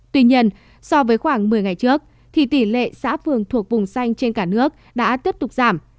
tuy nhiên so với khoảng một mươi ngày trước thì tỷ lệ xã phường thuộc vùng xanh trên cả nước đã tiếp tục giảm